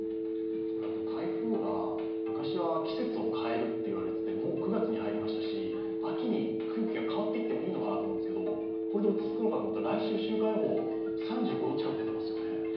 台風が昔は季節を変えると言われていて、もう９月に入りましたし、秋に空気が変わっていってもいいのかなと思うんですけどこれで落ち着くのかと思ったら、来週、週間予報３５度近く出ていますよね。